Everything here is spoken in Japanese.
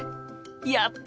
やった！